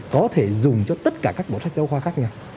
có thể dùng cho tất cả các bộ sách giáo khoa khác nhau